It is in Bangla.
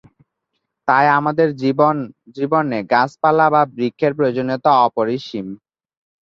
তাই আমাদের জীবনে গাছপালা বা বৃক্ষের প্রয়োজনীয়তা অপরিসীম।